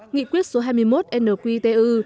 nghị quyết số hai mươi một nqtu